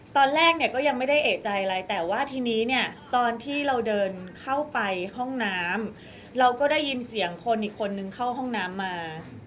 ตอนแรกเนี่ยก็ยังไม่ได้เอกใจอะไรแต่ว่าทีนี้เนี่ยตอนที่เราเดินเข้าไปห้องน้ำเราก็ได้ยินเสียงคนอีกคนนึงเข้าห้องน้ำมา